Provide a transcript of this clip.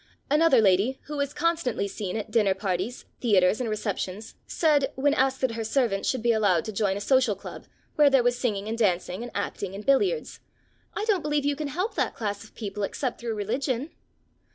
Another lady, who was constantly seen at dinner parties, theatres and receptions, said, when asked that her servant should be allowed to join a social club, where there was singing and dancing and acting and billiards, "I don't believe you can help that class of people except through religion."